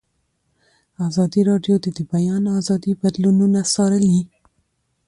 ازادي راډیو د د بیان آزادي بدلونونه څارلي.